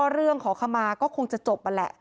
เรื่องของเขมาก็คงจะจบอันล่ะ